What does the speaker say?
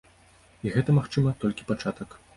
І гэта, магчыма, толькі пачатак.